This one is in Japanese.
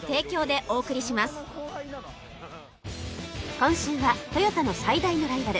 今週はトヨタの最大のライバル